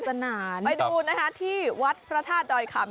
ไปดูนะคะที่วัดพระธาตุดอยคำ